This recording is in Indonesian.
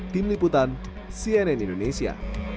tim liputan cnn indonesia